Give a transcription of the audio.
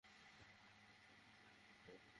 তোদের মতো চামচাদের সাথে আমার ডিল করা লাগবে?